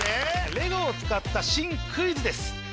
レゴを使った新クイズです。